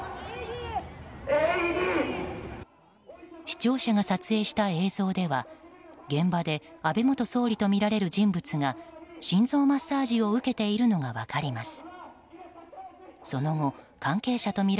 視聴者が撮影した映像では現場で安倍元総理とみられる人物が心臓マッサージを受けているのが分かります。